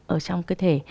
ở trong cơ thể